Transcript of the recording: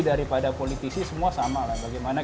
daripada politisi semua sama lah bagaimana